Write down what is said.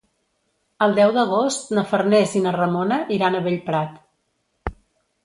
El deu d'agost na Farners i na Ramona iran a Bellprat.